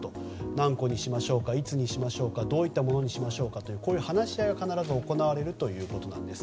何個にしましょうかいつにしましょうかどういったものにしましょうかという話し合いが必ず行われるそうです。